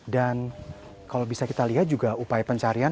dan kalau bisa kita lihat juga upaya pencarian